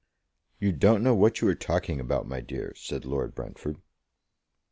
"You don't know what you are talking about, my dear," said Lord Brentford.